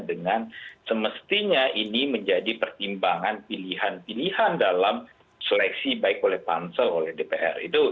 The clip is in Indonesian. dengan semestinya ini menjadi pertimbangan pilihan pilihan dalam seleksi baik oleh pansel oleh dpr